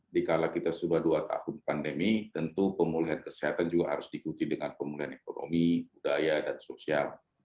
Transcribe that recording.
dikala kita sudah dua tahun pandemi tentu pemulihan kesehatan juga harus diikuti dengan pemulihan ekonomi budaya dan sosial